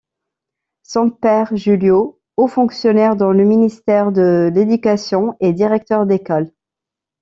Son père Julio, haut fonctionnaire dans le Ministère de l'éducation, est directeur d'école.